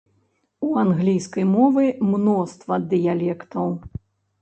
У англійскай мовы мноства дыялектаў.